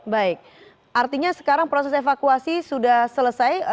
baik artinya sekarang proses evakuasi sudah selesai